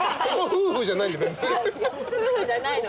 夫婦じゃないの。